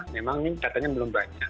memang ini katanya belum banyak